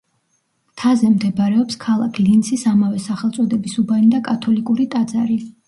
მთაზე მდებარეობს ქალაქ ლინცის ამავე სახელწოდების უბანი და კათოლიკური ტაძარი.